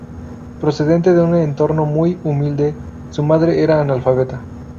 Procedente de un entorno muy humilde, su madre era analfabeta.